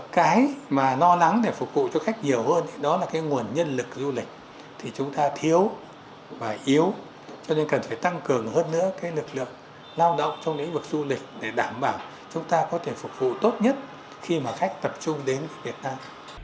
cái mà lo lắng để phục vụ cho khách nhiều hơn đó là cái nguồn nhân lực du lịch thì chúng ta thiếu và yếu cho nên cần phải tăng cường hơn nữa cái lực lượng lao động trong lĩnh vực du lịch để đảm bảo chúng ta có thể phục vụ tốt nhất khi mà khách tập trung đến việt nam